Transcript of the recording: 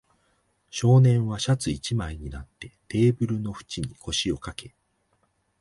少年はシャツ一枚になって、テーブルの縁に腰をかけ、